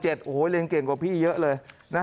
โอ้โหเรียนเก่งกว่าพี่เยอะเลย